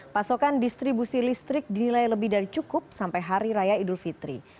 pasokan distribusi listrik dinilai lebih dari cukup sampai hari raya idul fitri